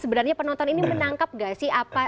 sebenarnya penonton ini menangkap gak sih apa